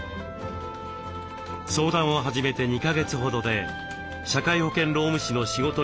相談を始めて２か月ほどで社会保険労務士の仕事に就くことができ